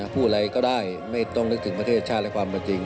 พูดอะไรก็ได้ไม่ต้องนึกถึงประเทศชาติและความเป็นจริง